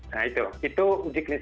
nah itu itu uji klinis